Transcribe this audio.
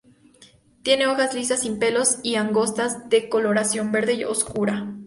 Tiene hojas lisas, sin pelos y angostas, de coloración verde oscura.